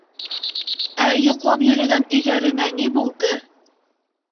— Ә йоҡлап йөрөгән өйҙәренә ни булды?